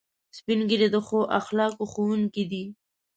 سپین ږیری د ښو اخلاقو ښوونکي دي